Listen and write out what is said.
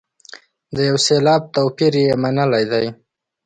د یو سېلاب توپیر یې منلی دی.